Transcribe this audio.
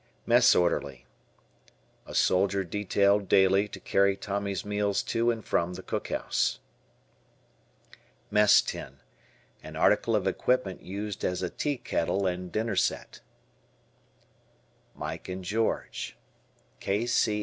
Mess Orderly. A soldier detailed daily to carry Tommy's meals to and from the cook house. Mess Tin. An article of equipment used as a tea kettle and dinner set. "Mike and George." K. C.